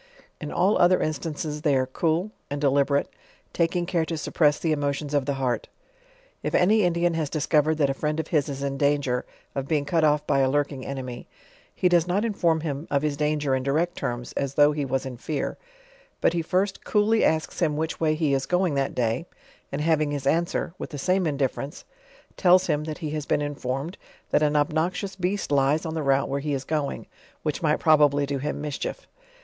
In all other instances they are cool, and delib erate, taking care to suppress the emotions of the heart. If any Indian has discovered that a friend of his is in danger of being cut off by a lurking enemy, he does not inform him of his danger in direct terms, as though he was in fear, but he first cooly asks him which way he is going that day; and having his answer; with the same indifference tells him, that he has been informed, that an obnoxious beast lies on the route where he is going, which might probably do him mischief.